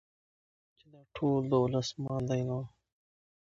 چې دا ټول د ولس مال دى نو